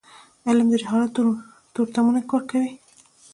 علم د جهالت تورتمونه ورکوي.